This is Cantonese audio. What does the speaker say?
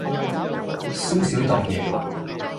輸少當贏